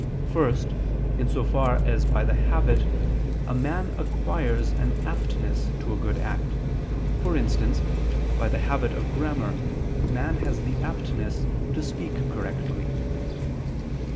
First, in so far as by the habit a man acquires an aptness to a good act; for instance, by the habit of grammar man has the aptness to speak correctly.